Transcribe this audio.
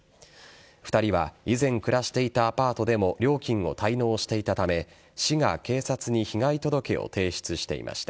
２人は以前暮らしていたアパートでも料金を滞納していたため市が警察に被害届を提出していました。